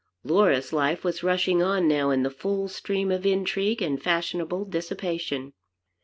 Laura's life was rushing on now in the full stream of intrigue and fashionable dissipation.